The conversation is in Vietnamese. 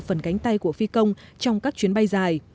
phần cánh tay của phi công trong các chuyến bay dài